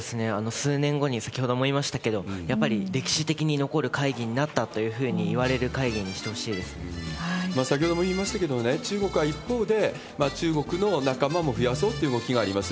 数年後に、先ほど思いましたけど、やっぱり歴史的に残る会議になったというふうにいわれる会議にし先ほども言いましたけれども、中国は、一方で、中国の仲間も増やそうという動きがあります。